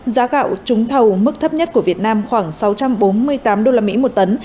giá gạo trúng thầu mức thấp nhất của việt nam khoảng sáu trăm bốn mươi tám usd một tấn